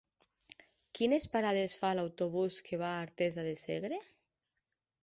Quines parades fa l'autobús que va a Artesa de Segre?